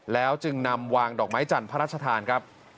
แล้วจึงนำวางดอกไม้จันทร์พระราชทานครับ